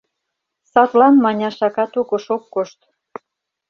Садлан Маняша катокыш ок кошт.